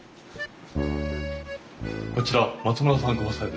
こちら松村さんご夫妻です。